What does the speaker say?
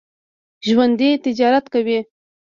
ژوندي تجارت کوي